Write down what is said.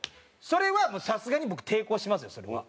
それはさすがに僕抵抗しますよそれは。